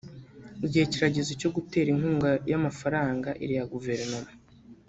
Igihe kirageze cyo gutera inkunga y’amafranga iriya guverinoma